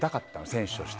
選手として。